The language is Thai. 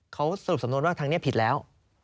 เขาสรุปสำนวนว่าทางนี้ผิดแล้ว